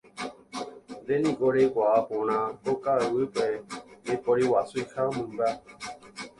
Nde niko reikuaa porã ko ka'aguy'ípe ndaiporiguasuiha mymba